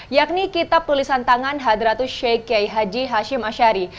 yakni kitab tulisan tangan hadratus sheikh kiai haji hashim ashari